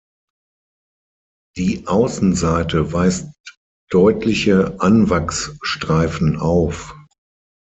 Die Außenseite weist deutliche Anwachsstreifen auf.